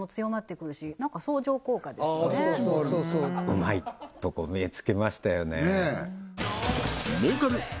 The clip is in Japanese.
うまいとこ目つけましたよね